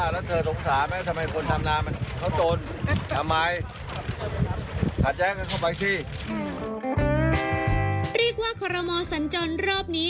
เรียกว่าคอรมอสัญจรรอบนี้